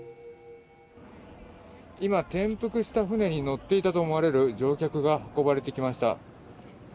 今、転覆していた船に乗っていたと思われる乗客が運ばれてきました。